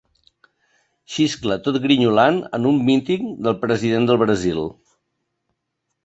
Xiscla tot grinyolant en un míting del president del Brasil.